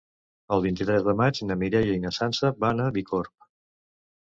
El vint-i-tres de maig na Mireia i na Sança van a Bicorb.